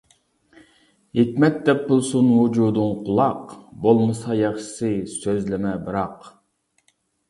ھېكمەت دەپ بىلسۇن ۋۇجۇدۇڭ قۇلاق، بولمىسا ياخشىسى سۆزلىمە بىراق.